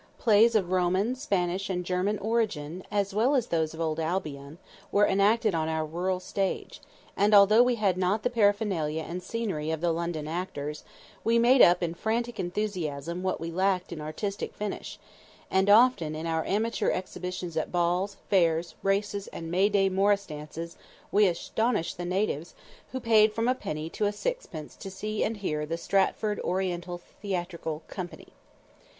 Plays of Roman, Spanish and German origin, as well as those of Old Albion, were enacted on our rural stage, and although we had not the paraphernalia and scenery of the London actors, we made up in frantic enthusiasm what we lacked in artistic finish, and often in our amateur exhibitions at balls, fairs, races and May Day Morris dances, we "astonished the natives," who paid from a penny to sixpence to see and hear the "Stratford Oriental Theatrical Company."